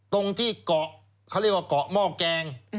ตรงที่เกาะเขาเรียกว่าเกาะหม้อแกง